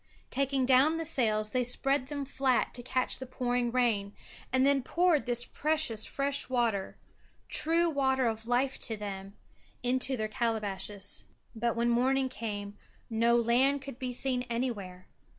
Taking down the sails they spread them flat to catch the pouring rain, and then poured this precious fresh water true water of life to them into their calabashes. But when morning came no land could be seen anywhere.